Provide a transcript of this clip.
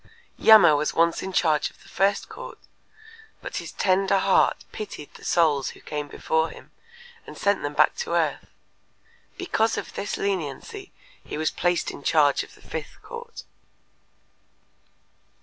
Yama was once in charge of the first court, but his tender heart pitied the souls who came before him and sent them back to earth. Because of this leniency he was placed in charge of the fifth court.